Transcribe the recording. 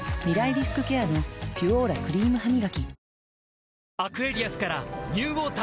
リスクケアの「ピュオーラ」クリームハミガキ